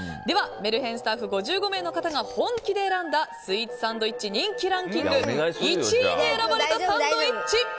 メルヘンスタッフ５５名の方が本気で選んだスイーツサンドイッチ人気ランキング１位に選ばれたサンドイッチ。